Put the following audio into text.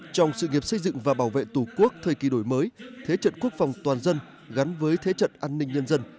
trong sự nghiệp xây dựng và bảo vệ tổ quốc thời kỳ đổi mới thế trận quốc phòng toàn dân gắn với thế trận an ninh nhân dân